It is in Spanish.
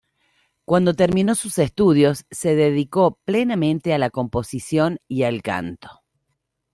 Cuando terminó sus estudios, se dedicó plenamente a la composición y al canto.